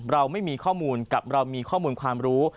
เราไม่มีข้อมูลกับเรามีข้อมูลความรู้